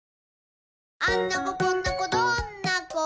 「あんな子こんな子どんな子？